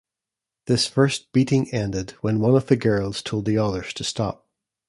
This first beating ended when one of the girls told the others to stop.